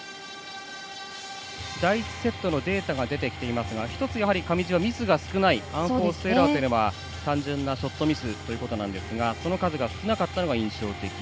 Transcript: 第１セットのデータが出てきていますが１つ、上地はミスが少ないアンフォーストエラーは単純なショットミスということですがその数が少なかったのが印象的。